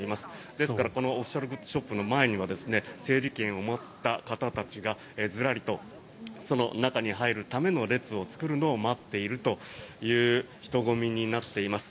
ですから、このオフィシャルグッズショップの前には整理券を持った方がずらりと中に入るための列を作るのを待っているという人混みになっています。